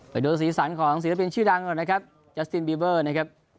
ไปดูสีสันของศิลปินชื่อดังก่อนนะครับจัสตินบีเวอร์นะครับ